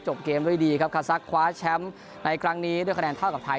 เกมด้วยดีครับคาซักคว้าแชมป์ในครั้งนี้ด้วยคะแนนเท่ากับไทย